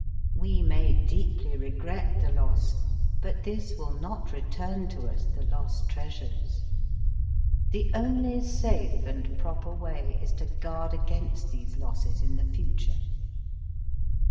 We may deeply regret the loss, but this will not return to us the lost treasures. The only safe and proper way is to guard against these losses in the future.